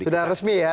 sudah resmi ya